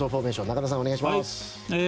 中田さん、お願いします。